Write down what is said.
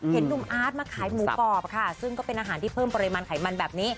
เห็นหนุ่มอาร์ตมาขายหมูกรอบค่ะซึ่งก็เป็นอาหารที่เพิ่มปริมาณไขมันแบบนี้